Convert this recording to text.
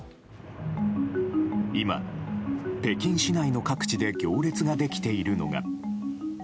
今、北京市内の各地で行列ができているのが。